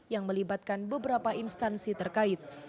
yang melibatkan beberapa instansi terkait